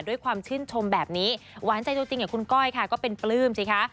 ด้วยความชื่นชมแบบนี้หวานใจตัวจริงอย่างคุณก้อยค่ะก็เป็นปลื้มสิคะ